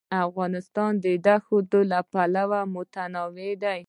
افغانستان د دښتې له پلوه متنوع دی.